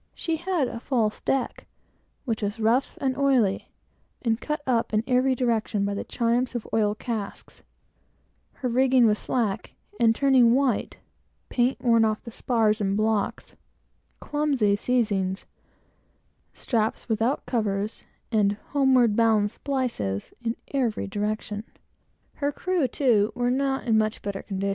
She had a false deck, which was rough and oily, and cut up in every direction by the chimes of oil casks; her rigging was slack and turning white; no paint on the spars or blocks; clumsy seizings and straps without covers, and homeward bound splices in every direction. Her crew, too, were not in much better order.